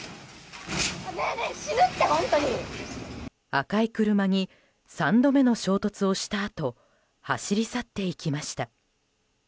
赤い車に３度目の衝突をしたあと走り去っていきました。